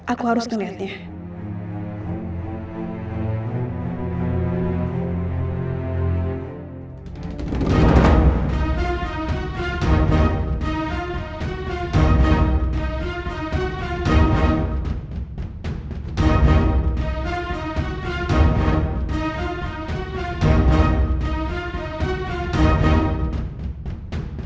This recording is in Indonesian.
aku harus ngeliatnya